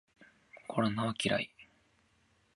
コロナは嫌い